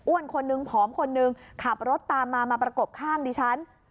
อ้วนคนนึงพร้อมคนนึงขับรถตามมาประกบข้างดิฉัน